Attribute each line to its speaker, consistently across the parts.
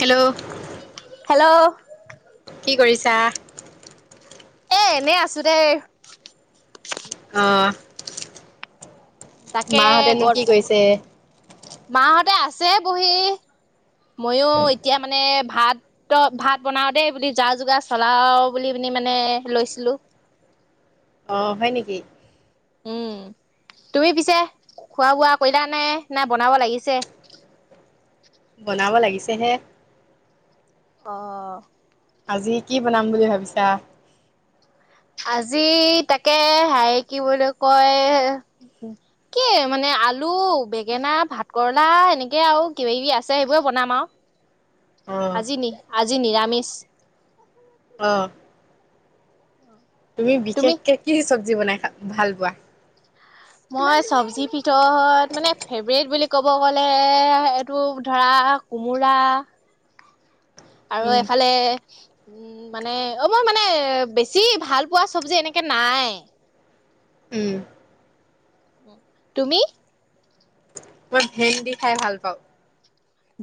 Speaker 1: Hello!
Speaker 2: Hello!
Speaker 1: কি কৰিছা?
Speaker 2: এ এনেই আছোঁ দে।
Speaker 1: অ' মাহতেনো কি কৰিছে?
Speaker 2: মাহতে আছে বহি। মইয়ো এতিয়া মানে ভাত ত' ভাত বনাওঁ দেই বুলি যা-যোগাৰ চলাও বুলি পিনে মানে লৈছিলোঁ।
Speaker 1: অ' হয় নেকি?
Speaker 2: উম, তুমি পিছে খোৱা বোৱা কৰিলা নে, নে বনাব লাগিছে?
Speaker 1: বনাব লাগিছে হে।
Speaker 2: অ',
Speaker 1: আজি কি বনাম বুলি ভাবিছা?
Speaker 2: আজি তাকে হে কি কয় বুলি কয়। কি মানে আলু, বেঙেনা, ভাত কেৰেলা এনেকে আৰু কিবা কিবি আছে, সেইবোৰে বনাম আৰু।
Speaker 1: [inaudible] অ'।
Speaker 2: আজি নি আজি নিৰামিষ।
Speaker 1: অ', তুমি বিশেষকে কি চব্জি বনাই খা ভাল পোৱা?
Speaker 2: মই চব্জি ভিতৰত মানে ফেভৰেট বুলি ক'ব গ'লে এইটো ধৰা কোমোৰা আৰু
Speaker 1: উম।
Speaker 2: এফালে উম মানে, অ মই মানে বেছি ভাল পোৱা চব্জী এনেকে নাই।
Speaker 1: উম,
Speaker 2: তুমি?
Speaker 1: মই ভেন্দি খাই ভাল পাওঁ।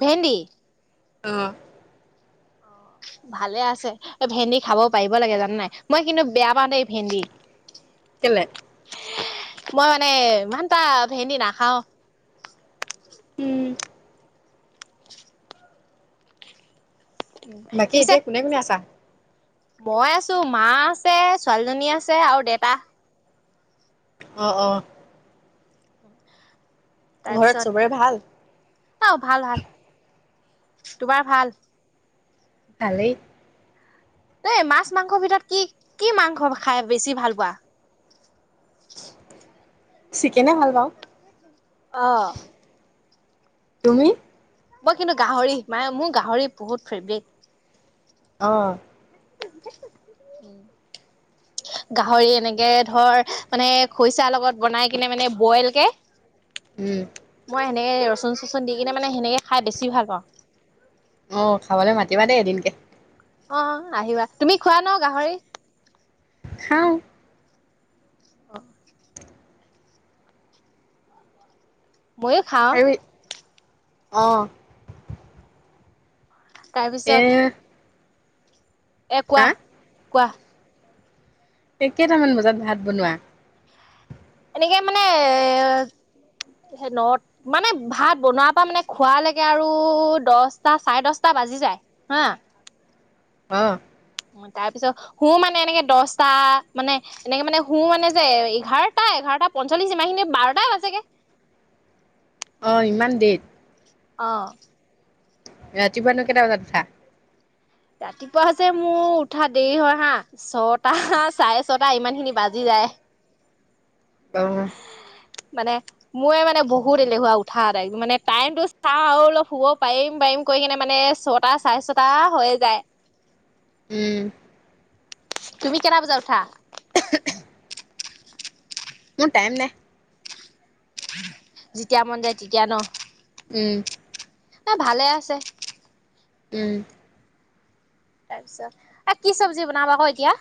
Speaker 2: ভেন্দি?
Speaker 1: [unintelligible]
Speaker 2: ভালে আছে এই ভেন্দি খাব পাৰিব লাগে জানা নে নাই মই কিন্তু বেয়া পাওঁতে ভেন্দি।
Speaker 1: কেলে?
Speaker 2: মই মানে ইমানটা ভেন্দী নাখাও
Speaker 1: উম, বাকী
Speaker 2: পিছে
Speaker 1: এতিয়া কোনে কোনে আছা?
Speaker 2: মই আছো মা আছে ছোৱালীজনী আছে আৰু দেউতা।
Speaker 1: অহ'-অহ'। ঘৰত
Speaker 2: তাৰপিছত-
Speaker 1: চবৰে ভাল?
Speaker 2: অঁ' ভাল ভাল, তোমাৰ ভাল?
Speaker 1: ভালেই।
Speaker 2: এই মাছ মাংসৰ ভিতৰত কি কি মাংস খাই বেছি ভাল পোৱা?
Speaker 1: চিকেনে ভাল পাওঁ।
Speaker 2: অহ'।
Speaker 1: তুমি?
Speaker 2: মই কিন্তু গাহৰি মানে মোৰ গাহৰি বহুত ফেভৰেট।
Speaker 1: অহ'।
Speaker 2: উমঁ'।
Speaker 1: [unintelligible]
Speaker 2: গাহৰি এনেকে ধৰ মানে খৰিচাৰ লগত বনাই কেনে মানে বইলকে।
Speaker 1: উম,
Speaker 2: মই সেনেকে ৰচুন চচুন দি কেনে মানে সেনেকে খাই বেছি ভাল পাওঁ।
Speaker 1: অহ' খাবলে মাতিবা দেই এদিনকে।
Speaker 2: অঁ' আহিবা, তুমি খোৱা ন' গাহৰি?
Speaker 1: খাওঁ।
Speaker 2: অহ'। মইয়ো খাওঁ।
Speaker 1: অহ'। এ
Speaker 2: তাৰপিছত- এ কোৱা,
Speaker 1: হা?
Speaker 2: কোৱা?
Speaker 1: এই কেইটামান বজাত ভাত বনোৱা?
Speaker 2: এনেকে মানে সেই ন মানে ভাত বনোৱাৰ পৰা মানে খোৱালৈকে আৰু দছটা চাৰে দছটা বাজি যায়। হা।
Speaker 1: অহ'।
Speaker 2: তাৰ পিছত শুও মানে এনেকে দহটা মানে- এনেকে মানে শুও মানে যে এঘাৰটা, এঘাৰটা পঞ্চল্লিছ ইমানখিনি বাৰটাই বাজেগে।
Speaker 1: অহ' ইমান দেৰিত।
Speaker 2: অঁ'।
Speaker 1: ৰাতিপুৱা নো কেইটা বজাত উঠা?
Speaker 2: ৰাতিপুৱা হৈছে মোৰ উঠা দেৰি হয় হা। ছটা চাৰে ছটা ইমান খিনি বাজি যায়।
Speaker 1: অহ'।
Speaker 2: মানে- মই মানে বহুত এলেহুৱা উঠা টাইম মানে টাইমটো চাওঁ আৰু অলপ শুব পাৰিম পাৰিম কৰি কিনে মানে ছ ছটা চাৰে ছটা হৈয়ে যায়।
Speaker 1: উমঁ।
Speaker 2: তুমি কেইটা বজাত উঠা?
Speaker 1: [unintelligible] মোৰ টাইম নাই।
Speaker 2: যেতিয়া মন যায় তেতিয়া ন'।
Speaker 1: উমঁ।
Speaker 2: এ ভালে আছে।
Speaker 1: উম।
Speaker 2: তাৰপিছত। এ কি চব্জি বনাবা আকৌ এতিয়া?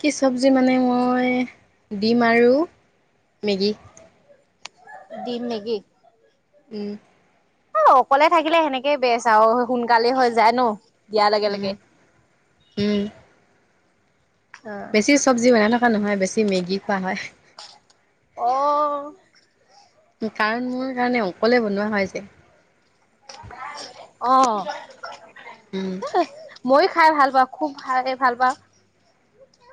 Speaker 1: কি চব্জি মানে মই, ডিম আৰু মেগী।
Speaker 2: ডিম মেগী?
Speaker 1: উম।
Speaker 2: অকলে থাকিলে সেনেকেই বেচ আৰু সোনকালে হৈ যায় ন? দিয়াৰ লগে,
Speaker 1: উম,
Speaker 2: লগে।
Speaker 1: উম,
Speaker 2: অ'।
Speaker 1: বেছি চব্জি বনাই খোৱা নহয়, বেছি মেগী খোৱা হয়।
Speaker 2: অ'।
Speaker 1: কাৰণ মোৰ কাৰণে অকলে বনোৱা হয় যে।
Speaker 2: অ'।
Speaker 1: উম।
Speaker 2: মইও খাই ভাল পাওঁ, খুব খাই ভাল পাওঁ।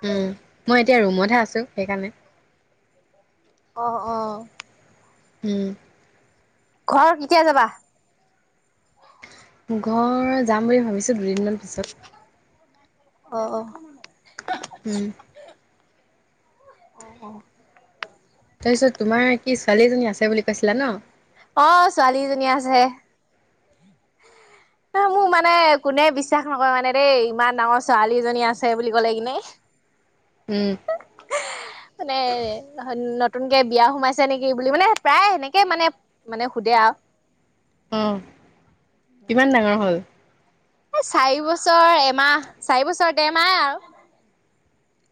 Speaker 1: উম, মই এতিয়া ৰুমতহে আছোঁ সেইকাৰণে।
Speaker 2: অ', অ'।
Speaker 1: উম।
Speaker 2: ঘৰত কেতিয়া যাবা?
Speaker 1: ঘৰ যাম বুলি ভাবিছোঁ দুদিনমান পিছত।
Speaker 2: অ', অ'।
Speaker 1: উম। তাৰ পিছত তোমাৰ কি ছোৱালী এজনী আছে বুলি কৈছিলা ন?
Speaker 2: অ', ছোৱালী এজনী আছে। এ মোৰ মানে কোনে বিশ্বাস নকৰে মানে দেই, ইমান ডাঙৰ ছোৱালী এজনী আছে বুলি ক'লে কি নে।
Speaker 1: উম।
Speaker 2: মানে নতুনকে বিয়া সোমাইছে নেকি বুলি মানে প্ৰায় সেনেকে মানে মানে সোধে আৰু
Speaker 1: উম, কিমান ডাঙৰ হ'ল?
Speaker 2: চাৰি বছৰ এমাহ, চাৰি বছৰ ডেৰ মাহ আৰু।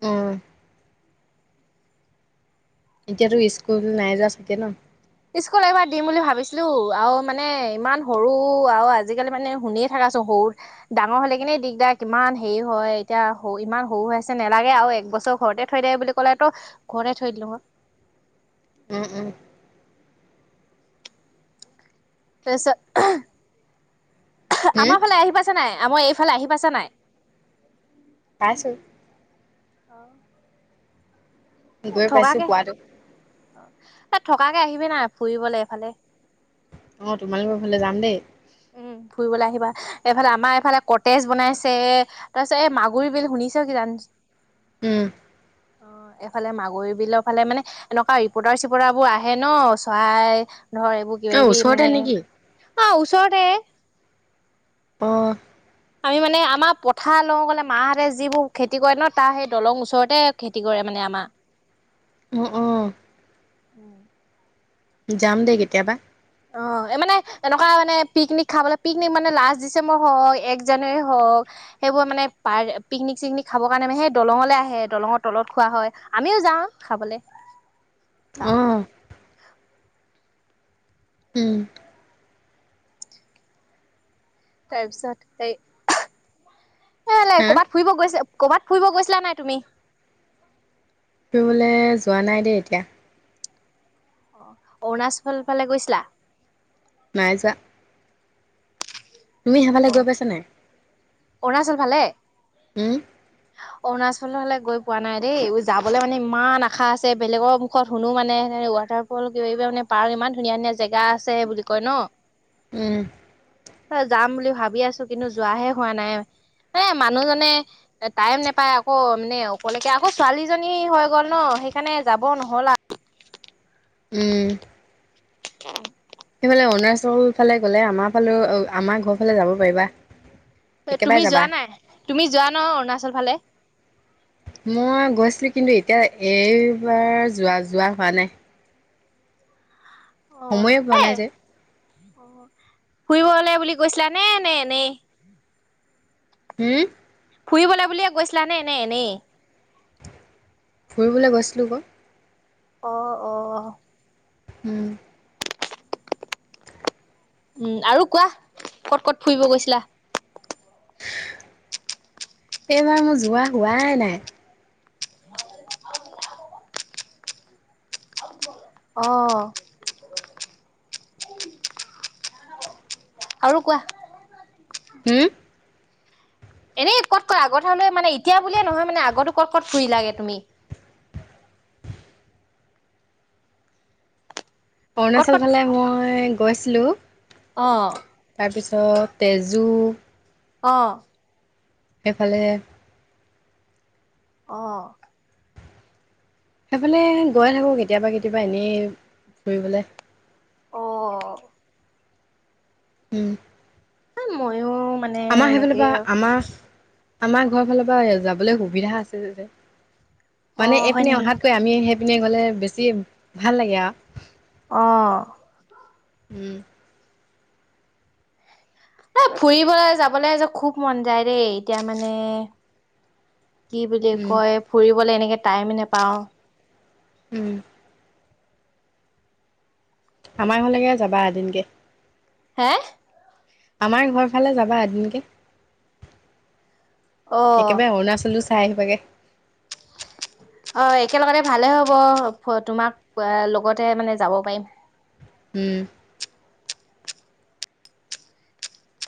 Speaker 1: উম। এতিয়াতো স্কুল নাই যোৱা চাগে ন?
Speaker 2: স্কুল এবাৰ দিম বুলি ভাবিছিলোঁ, আৰু মানে ইমান সৰু আৰু আজিকালি মানে শুনিয়ে থাকাচোন সৰু ডাঙৰ হলে কিনে দিগদাৰ কিমান হেৰি হয়, এতিয়া সৰু ইমান সৰু হৈ আছে নালাগে আৰু এক বছৰ ঘৰতে থৈ দে বুলি কলে ত' ঘৰতে থৈ দিলোঁ মই।
Speaker 1: উম, উম।
Speaker 2: তাৰপিছত,
Speaker 1: হুম,
Speaker 2: আমাৰ ফালে আহি পাইছা নাই, আমাৰ এইফালে আহি পাইছা নাই?
Speaker 1: পাইছোঁ।
Speaker 2: অ'।
Speaker 1: গৈ পাইছোঁ পোৱাতো।
Speaker 2: তাত থকাকে আহিবি না ফুৰিবলে এফালে।
Speaker 1: অ', তোমালোকৰ ফালে যাম দেই।
Speaker 2: উম, ফুৰিবলৈ আহিবা। এইফালে আমাৰ এইফালে কটেজ বনাইছে, তাৰপিছত এই মাগুৰী বিল শুনিছে কিজান
Speaker 1: উম।
Speaker 2: অ', এইফালে মাগুৰী বিলৰ ফালে মানে এনেকুৱা ৰিপৰ্টাৰ-চিপৰ্টাৰ বোৰ আহে ন? চৰাই ধৰ এইবোৰ কিবা
Speaker 1: অ',
Speaker 2: কিবি
Speaker 1: ওচৰতে
Speaker 2: মানে,
Speaker 1: নেকি?
Speaker 2: অ' ওচৰতে।
Speaker 1: অ।
Speaker 2: আমি মানে আমাৰ পথাৰ লওঁ গলে মাহেঁতে যিবোৰ খেতি কৰে ন, তাৰ সেই দলং ওচৰতে খেতি কৰে মানে আমা।
Speaker 1: অঁ অঁ। যাম দেই কেতিয়াবা?
Speaker 2: অঁ এ মানে এনেকুৱা মানে পিকনিক খাবলে পিকনিক মানে লাষ্ট ডিচেম্বৰ হওক এক জানুৱাৰী হওক- সেইবোৰ মানে পাৰ পিকনিক চিকনিক খাবৰ কাৰণে মানে সেই দলঙলে আহে দলঙৰ তলত খোৱা হয়। আমিও যাওঁ খাবলে।
Speaker 1: অঁ' উম'।
Speaker 2: তাৰপিছত এই- কেলে
Speaker 1: হা
Speaker 2: ক'বাত ফুৰিব গৈছে, ক'বাত ফুইব গৈছিলা নাই তুমি?
Speaker 1: ফুৰিবলে যোৱা নাই দেই এতিয়া।
Speaker 2: অ অৰুণাচল ফালে গৈছিলা?
Speaker 1: নাইযোৱা। তুমি সেইফালে গৈ পাইছা নাই?
Speaker 2: অৰুণাচল ফালে?
Speaker 1: [inaudible]
Speaker 2: অৰুণাচল হলে গৈ পোৱা নাই দেই, যাবলে মানে ইমান আশা আছে বেলেগৰ মুখত শুনো মানে সে ৱাটাৰ- ফল কিবাকিবি মানে পাৰ্ক ইমান ধুনীয়া ধুনীয়া জেগা আছে বুলি কয় ন।
Speaker 1: উম'।
Speaker 2: হে যাম বুলি ভাবি আছো, কিন্তু যোৱাহে হোৱা নাই। এ মানুহজনে- টাইম নেপাই আকৌ মানে অকলেকে আকৌ ছোৱালীজনী হৈ গ'ল ন, সেইকাৰণে যাব নহল আও।
Speaker 1: উম,
Speaker 2: [unintelligible]
Speaker 1: সেইফালে অৰুণাচল ফালে গলে আমাৰ ফালেও আমাৰ ঘৰ ফালে যাব পাৰিবা।
Speaker 2: তে
Speaker 1: একেবাৰে
Speaker 2: তুমি
Speaker 1: যাবা।
Speaker 2: যোৱা নাই? তুমি যোৱা ন অৰুণাচল ফালে।
Speaker 1: মই গৈছিলো কিন্তু এতিয়া এইবাৰ যোৱা যোৱা হোৱা নাই। সময়ে পোৱা
Speaker 2: এ
Speaker 1: নাই যে।
Speaker 2: অ' ফুৰিবলে বুলি গৈছিলা নে নে এনেই?
Speaker 1: হুওম?
Speaker 2: ফুৰিবলে বুলিয়ে গৈছিলা নে নে এনেই?
Speaker 1: ফুৰিবলে গৈছিলোঁ ক।
Speaker 2: অ' অ'।
Speaker 1: উম'।
Speaker 2: উম' আৰু কোৱা ক'ত ক'ত ফুৰিব গৈছিলা?
Speaker 1: এইবাৰ মোৰ যোৱা হোৱাই নাই।
Speaker 2: অ'। আৰু কোৱা?
Speaker 1: হুওম?
Speaker 2: এনেই কত কত আগত হলে মানে এতিয়া বুলিয়ে নহয় মানে, আগতো ক'ত ক'ত ফুৰিলাগে তুমি? ক'ত
Speaker 1: অৰুণাচল
Speaker 2: ক'ত
Speaker 1: ফালে মই গৈছিলোঁ।
Speaker 2: অঁ'।
Speaker 1: তাৰপিছত তেজু-
Speaker 2: অঁ'।
Speaker 1: সেফালে।
Speaker 2: অ'।
Speaker 1: সেইফালে গৈ থাকোঁ, কেতিয়াবা, কেতিয়াবা এনেই ফুৰিবলে।
Speaker 2: অ'।
Speaker 1: উম।
Speaker 2: [unintelligible] মইয়ো
Speaker 1: আমাৰ সেইফালৰ পৰা, আমাৰ আমাৰ ঘৰ ফালৰ পৰা যাবলৈ সুবিধা আছে যে, মানে
Speaker 2: অ', হয়
Speaker 1: এইপিনে
Speaker 2: নেকি?
Speaker 1: অহা [unintelligible] আমি সেইপিনে গ'লে বেছি ভাল লাগে আৰু।
Speaker 2: অ'।
Speaker 1: উম।
Speaker 2: এ, ফুৰিবলৈ যাবলে খুব মন যায় দেই, এতিয়া মানে কি বুলি
Speaker 1: উম,
Speaker 2: কয়, ফুৰিবলে এনেকে টাইময়ে নাপাওঁ।
Speaker 1: উম। আমাৰ ঘৰলৈকে যাবা এদিনকে।
Speaker 2: হা?
Speaker 1: আমাৰ ঘৰ ফালে যাবা এদিনকে।
Speaker 2: অ'।
Speaker 1: একেবাৰে অৰুণাচলো চাই আহিবাগে।
Speaker 2: অ', একেলগতে ভালেই হ'ব, তোমাক লগতে, মানে যাব পাৰিম।
Speaker 1: উম।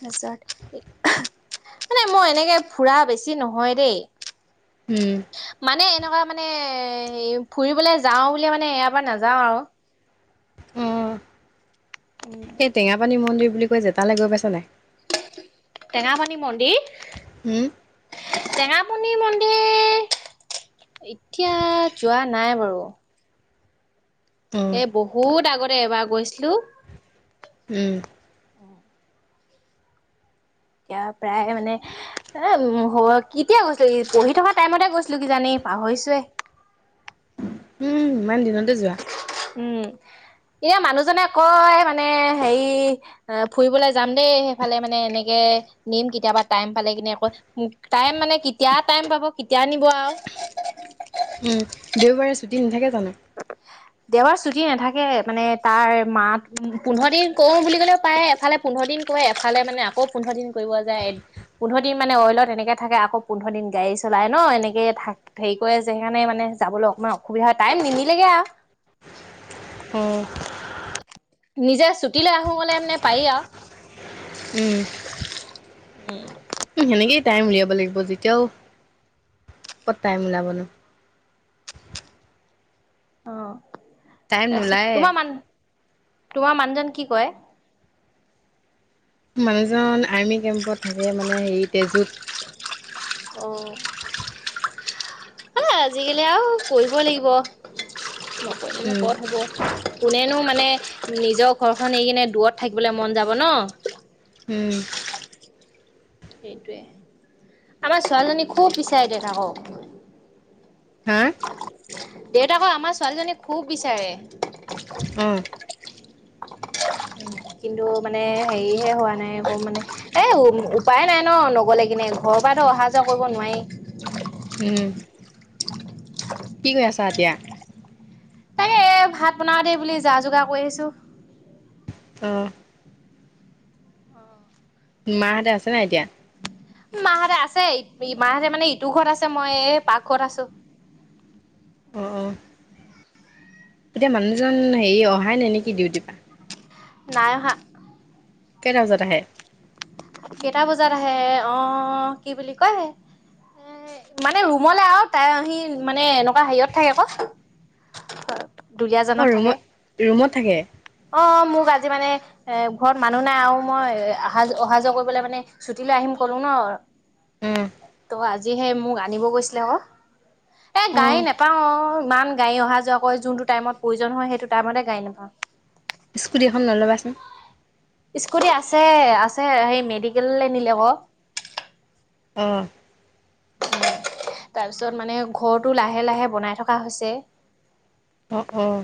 Speaker 2: [unintelligible] মানে মই এনেকে ফুৰা বেছি নহয় দেই।
Speaker 1: উম।
Speaker 2: মানে এনেকুৱা মানে এ, ফুৰিবলে যাওঁ বুলি মানে, এবাৰ নাযাওঁ আৰু।
Speaker 1: উম,
Speaker 2: উম
Speaker 1: এই টেঙাপানী মন্দিৰ বুলি কয় যে, তালে গৈ পাইছ নাই?
Speaker 2: টেঙাপানী মন্দিৰ?
Speaker 1: উম।
Speaker 2: টেঙাপানি মন্দিৰ এতিয়া যোৱা নাই বাৰু।
Speaker 1: উম,
Speaker 2: এ, বহুত আগতে এবাৰ গৈছিলোঁ।
Speaker 1: উম।
Speaker 2: এতিয়া প্ৰায়ে মানে এ, কেতিয়া গৈছিলোঁ, পঢ়ি থকা টাইমতে গৈছিলোঁ কিজানি, পাহৰিছোৱে।
Speaker 1: উম, ইমান দিনত [inaudible]
Speaker 2: এয়া, মানুহজনে কয় মানে হেৰি আহ, ফুৰিবলৈ যাম দেই, সেইফালে মানে এনেকে, নিম কেতিয়াবা টাইম পালে কিনে আকৌ। টাইম মানে, কেতিয়া টাইম পাব, কেতিয়া নিব আৰু।
Speaker 1: উম, দেওবাৰে ছুটী নাথাকে জানোঁ?
Speaker 2: দেওবাৰে ছুটি নাথাকে, মানে তাৰ মাত, পোন্ধৰ দিন কৰোঁ বুলি কলেও পাৰে, এফালে পোন্ধৰ দিন কৰে, এফালে মানে আকৌ পোন্ধৰ দিন কৰিব যায়। পোন্ধৰ দিন মানে অইলত এনেকে থাকে, আকৌ পোন্ধ দিন গাড়ী চলাই ন', এনেকে থাকে। হেৰি কৰে যে, সেইকাৰণে মানে যাবলৈ অকণমান অসুবিধা হয়, টাইম নিমিলেগে আৰু।
Speaker 1: আহ।
Speaker 2: নিজে ছুটি লৈ আহোঁ গ'লে মানে, পাৰি আৰু।
Speaker 1: উম।
Speaker 2: উম,
Speaker 1: উম, সেনেকেই টাইম উলিয়াব লাগিব যেতিয়াও ক'ত টাইম উলাবনো। টাইম
Speaker 2: অ'তাচে
Speaker 1: নোলায়ে।
Speaker 2: তোমাৰ মান-তোমাৰ মানুহজন কি কয়ে?
Speaker 1: মোৰ মানুহজন আৰ্মি কেম্পত থাকে হেৰিতে জুত
Speaker 2: অ', এ আজিকালি আৰু কৰিবই লাগিব নকৰিলেনো
Speaker 1: উম,
Speaker 2: ক'ত হ'ব। কোনেনো মানে নিজৰ ঘৰখন এৰি কিনে দূৱত থাকিবলে মন যাব ন'।
Speaker 1: উম,
Speaker 2: সেইটোৱে আমাৰ ছোৱালীজনী খুব বিচাৰে দেউতাকক।
Speaker 1: হা?
Speaker 2: দেউতাকক আমাৰ ছোৱালীজনীয়ে খুব বিচাৰে।
Speaker 1: উম,
Speaker 2: কিন্তু মানে হেৰিহে হোৱা নাই একো মানে এ উপায় নাই ন'নগলে কেনে ঘৰৰ পৰাতো অহা যোৱা কৰিব নোৱায়ে।
Speaker 1: উম, কি কৈ আছা এতিয়া?
Speaker 2: তাকে এ ভাত বনাওঁ দেই বুলি যা যোগাৰ কৰি আছো।
Speaker 1: অ',
Speaker 2: অ',
Speaker 1: মাহঁতে আছে নাই এতিয়া?
Speaker 2: মাহঁতে আছে মাহঁতে মানে ইটো ঘৰত আছে মই এ পাকঘৰত আছো।
Speaker 1: অ' অ' এতিয়া মানুহজন হেৰি অহাই নাই নেকি ডিউটি পা?
Speaker 2: নাই অহা।
Speaker 1: কেটা বজাত আহে?
Speaker 2: কেটা বজাত আহে অ' কি বুলি কয় মানে ৰুমলে আৰু তাই আহি মানে এনেকুৱা হেৰিয়ত থাকে আকৌ
Speaker 1: [inaudible] অ',
Speaker 2: দুলীয়াজানত থাকে।
Speaker 1: ৰুমত ৰুমত থাকে?
Speaker 2: অ' মোক আজি মানে এ ঘৰত মানুহ নাই আৰু মই আহা যো অহা যোৱা কৰিবলৈ মানে ছুটীলৈ আহিম ক'লো ন'
Speaker 1: অ',
Speaker 2: ত' আজি সেই মোক আনিব গৈছিলে আকৌ। এ গাড়ী
Speaker 1: অ'।
Speaker 2: নাপাও অ' ইমান গাড়ী অহা যোৱা কৰে যোনটো টাইমত প্ৰয়োজন হয় সেইটো টাইমতে গাড়ী নেপাওঁ।
Speaker 1: স্কুটীএখন লৈ ল'বাচোন।
Speaker 2: স্কুটি আছে, আছে সেই মেডিকেললে নিল আক
Speaker 1: অ',
Speaker 2: উম, তাৰপিছত মানে ঘৰটো লাহে, লাহে বনাই থকা হৈছে।
Speaker 1: অ'অ'